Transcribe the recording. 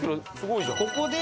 ここで。